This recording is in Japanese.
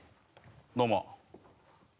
どうも。